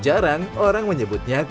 di mana saya még waar sekaligus menemukan